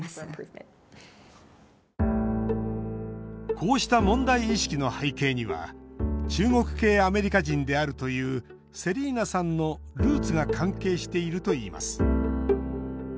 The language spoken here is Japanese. こうした問題意識の背景には中国系アメリカ人であるというセリーナさんのルーツが関係しているといいます。